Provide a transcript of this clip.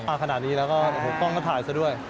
มาขนาดนี้แล้วก็กล้องก็ถ่ายซะด้วย